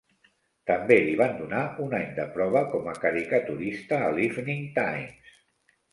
També li van donar un any de prova com a caricaturista a l'"Evening Times".